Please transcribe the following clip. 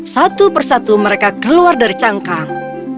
satu persatu mereka keluar dari cangkang